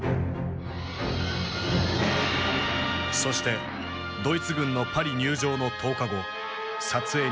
そしてドイツ軍のパリ入城の１０日後撮影に臨んだ。